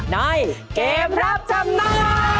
ในเกมรับจำนำ